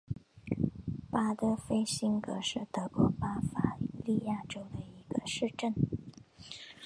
巴德菲辛格是德国巴伐利亚州的一个市镇。